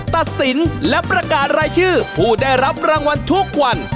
ตัดสินและประกาศรายชื่อผู้ได้รับรางวัลทุกวัน